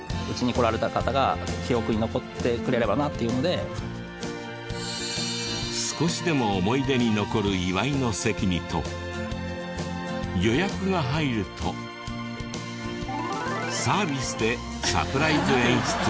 大人は少しでも思い出に残る祝いの席にと予約が入るとサービスでサプライズ演出をしていた。